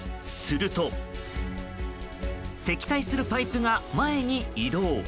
すると積載するパイプが前に移動。